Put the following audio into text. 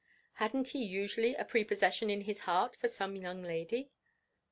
Hadn't he usually a prepossession in his heart for some young lady?